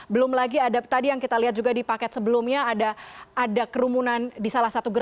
belum lagi ada tadi yang kita lihat juga di paket sebelumnya ada kerumunan di salah satu gerbang